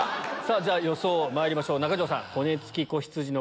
じゃ予想まいりましょう中条さん。